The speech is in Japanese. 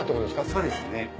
そうですね。